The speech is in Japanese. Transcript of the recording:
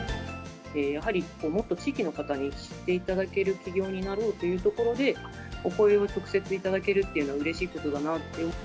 やはりもっと地域の方に知っていただける企業になろうというところで、お声を直接頂けるということは、うれしいことだなって。